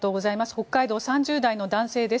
北海道、３０代の男性です。